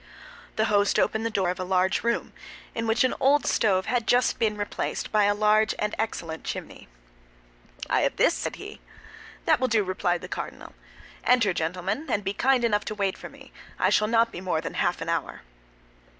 The host opened the door of a large room, in which an old stove had just been replaced by a large and excellent chimney. "I have this," said he. "That will do," replied the cardinal. "Enter, gentlemen, and be kind enough to wait for me; I shall not be more than half an hour."